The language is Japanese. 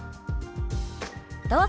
どうぞ。